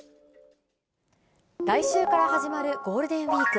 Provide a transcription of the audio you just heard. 来週から始まるゴールデンウィーク。